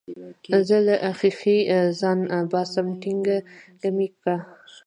زه له ښيښې ځان باسم ټينګه مې که.